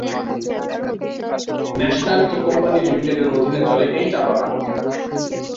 National tea company লিমিটেডের অধীনে চলে এই চা বাগানটি।